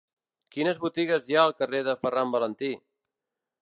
Quines botigues hi ha al carrer de Ferran Valentí?